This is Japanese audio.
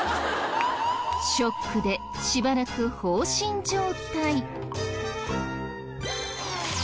ショックでしばらく放心状態。